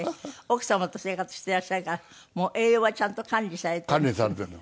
奥様と生活していらっしゃるから栄養はちゃんと管理されてる？